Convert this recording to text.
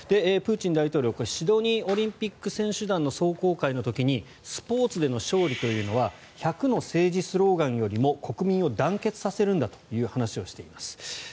プーチン大統領シドニーオリンピック選手団の壮行会の時にスポーツでの勝利というのは１００の政治スローガンよりも国民を団結させるんだという話をしています。